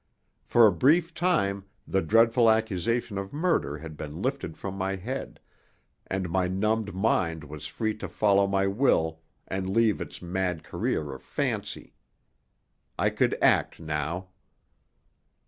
For a brief time the dreadful accusation of murder had been lifted from my head, and my numbed mind was free to follow my will and leave its mad career of fancy. I could act now.